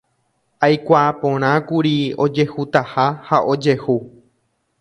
aikuaaporãkuri ojehutaha ha ojehu